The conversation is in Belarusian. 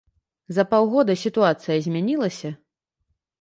За паўгода сітуацыя змянілася?